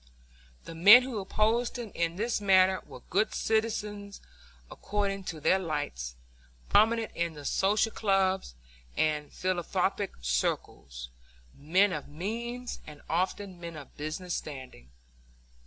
The men who opposed him in this manner were good citizens according to their lights, prominent in the social clubs and in philanthropic circles, men of means and often men of business standing.